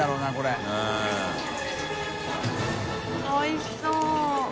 おいしそう。